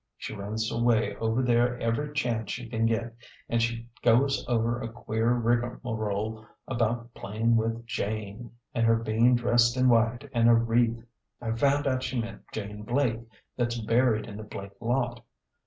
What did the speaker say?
She runs away over there every chance she can get, an' she goes over a queer rigmarole about playin' with Jane, and her bein' dressed in white an' a wreath. I found out she meant Jane Blake, that's buried in the Blake lot.